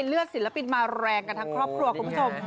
เลือดศิลปินมาแรงกันทั้งครอบครัวคุณผู้ชม